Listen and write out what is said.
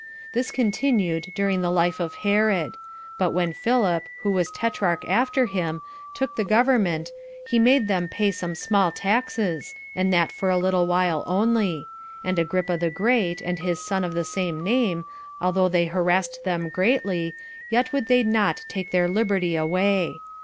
This continued during the life of Herod; but when Philip, who was [tetrarch] after him, took the government, he made them pay some small taxes, and that for a little while only; and Agrippa the Great, and his son of the same name, although they harassed them greatly, yet would they not take their liberty away.